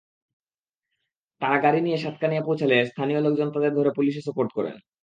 তাঁরা গাড়ি নিয়ে সাতকানিয়া পৌঁছালে স্থানীয় লোকজন তাঁদের ধরে পুলিশে সোপর্দ করেন।